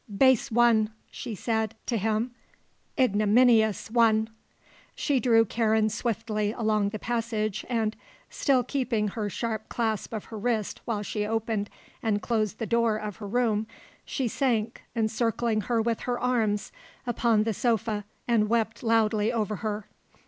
"Base one!" she said to him. "Ignominious one!" She drew Karen swiftly along the passage and, still keeping her sharp clasp of her wrist while she opened and closed the door of her room, she sank, encircling her with her arms, upon the sofa, and wept loudly over her.